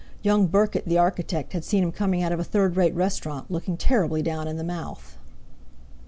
Young Burkitt, the architect, had seen him coming out of a third rate restaurant, looking terribly down in the mouth!